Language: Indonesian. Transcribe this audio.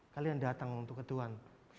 kalian datang untuk ke tuhan